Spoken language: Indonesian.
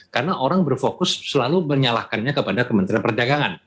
karena orang berfokus selalu menyalahkannya kepada kementerian perdagangan